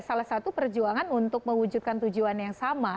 salah satu perjuangan untuk mewujudkan tujuan yang sama